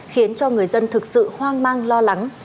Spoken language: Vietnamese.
khiến cho người dân thực sự hoang mang lo lắng